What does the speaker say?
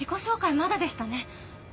まだでしたね。